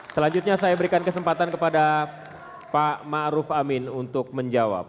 selanjutnya saya berikan kesempatan kepada pak ma'ruf amin untuk menjawab